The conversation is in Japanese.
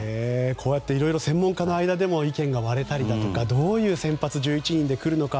こうやって専門家の間でも意見が割れたりとかどういう先発１１人でくるのか。